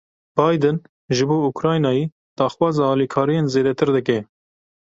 Biden ji bo Ukraynayê daxwaza alîkariyên zêdetir dike.